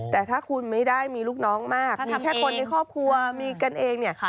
แต่ถ้าคุณไม่ได้มีลูกน้องมากมีแค่คนในครอบครัวมีกันเองเนี่ย